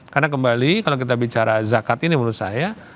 karena kembali kalau kita bicara zakat ini menurut saya